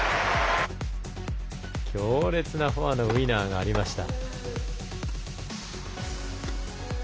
強烈なフォアのウイナーがありました。